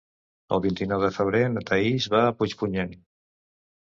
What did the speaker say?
El vint-i-nou de febrer na Thaís va a Puigpunyent.